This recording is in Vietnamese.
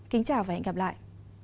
kính chào và hẹn gặp lại